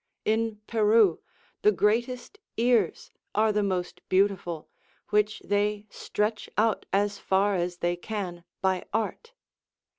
In Peru the greatest ears are the most beautiful, which they stretch out as far as they can by art.